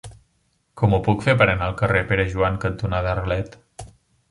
Com ho puc fer per anar al carrer Pere Joan cantonada Arlet?